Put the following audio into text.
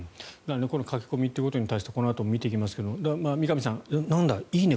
この書き込みに対してこのあとも見ていきますが三上さん、なんだ「いいね」